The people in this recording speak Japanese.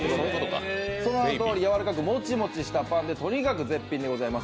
その名のとおりやわらかくもちもちしたパンでとにかく絶品でございます。